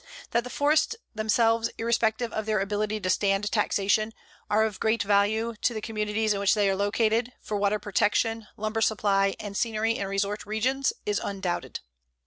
That the forests themselves, irrespective of their ability to stand taxation, are of great value to the communities in which they are located, for water protection, lumber supply, and scenery in resort regions is undoubted.